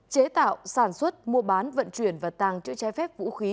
chế tạo sản xuất mua bán vận chuyển và tàng trữ trái phép vũ khí